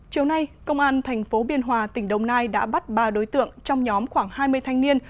chiều nay công an thành phố biên hòa tỉnh đồng nai đã bắt ba đối tượng trong nhóm khoảng hai mươi thanh niên